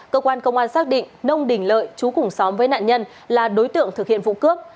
cơ quan công an xác định nông đình lợi chú cùng xóm với nạn nhân là đối tượng thực hiện vụ cướp